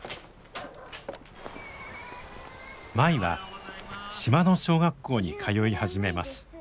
舞は島の小学校に通い始めます。